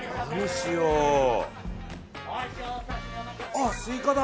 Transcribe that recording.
あ、スイカだ！